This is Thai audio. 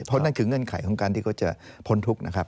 เพราะนั่นคือเงื่อนไขของการที่เขาจะพ้นทุกข์นะครับ